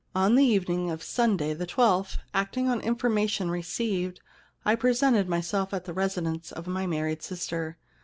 * On the evening of Sunday the twelfth, acting on information received, I presented myself at the residence of my married sister.